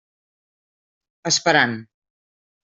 Esperant.